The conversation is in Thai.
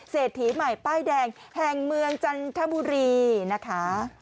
เศรษฐีใหม่ป้ายแดงแห่งเมืองจันทบุรีนะคะ